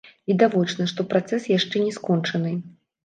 Відавочна, што працэс яшчэ не скончаны.